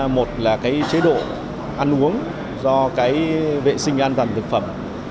một là cái chế độ ăn uống do cái vệ sinh an toàn thực phẩm